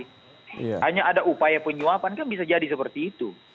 hanya ada upaya penyuapan kan bisa jadi seperti itu